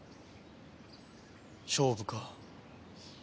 勝負か。